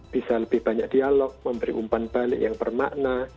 bisa lebih banyak dialog memberi umpan balik yang bermakna